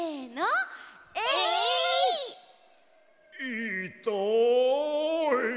・いたい！